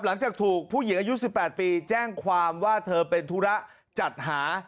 หลังจากถูกผู้หญิงอายุ๑๘ปีแจ้งความว่าเธอเป็นธุระจัดหา